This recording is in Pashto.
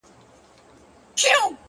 o دا خو ددې لپاره ـ